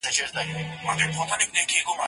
زه به اوږده موده قلم استعمالوم کړی وم؟!